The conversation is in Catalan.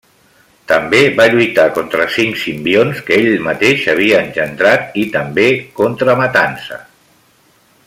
També va lluitar contra cinc simbionts que el mateix havia engendrat i també contra Matança.